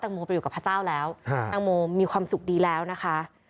โมไปอยู่กับพระเจ้าแล้วตังโมมีความสุขดีแล้วนะคะ